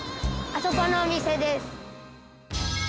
あそこのお店です。